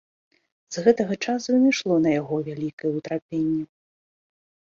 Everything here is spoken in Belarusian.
З гэтага часу і найшло на яго вялікае ўтрапенне.